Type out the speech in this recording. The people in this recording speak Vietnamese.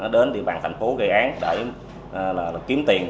đến địa bàn thành phố gây án để kiếm tiền